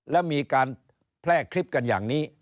แล้วมีการแพร่คลิปกันอย่างนี้